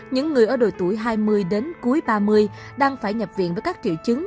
những người ở độ tuổi hai mươi đến cuối ba mươi đang phải nhập viện với các triệu chứng